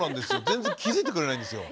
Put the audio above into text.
全然気付いてくれないんですよ。